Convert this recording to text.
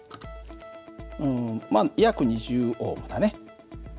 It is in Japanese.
うんまあ約２０Ωだね。